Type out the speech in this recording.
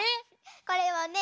これはね